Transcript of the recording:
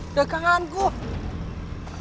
udah kangen gue